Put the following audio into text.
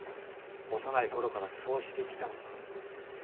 幼いころからそうしてきたのだ。